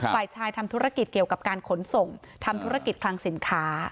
ฝ่ายชายทำธุรกิจเกี่ยวกับการขนส่งทำธุรกิจคลังสินค้า